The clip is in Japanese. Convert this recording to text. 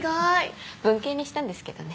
文系にしたんですけどね。